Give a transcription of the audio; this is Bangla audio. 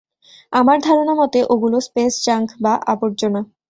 আমার ধারণা মতে ওগুলো স্পেস জাঙ্ক বা আবর্জনা।